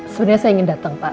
sebenarnya saya ingin datang pak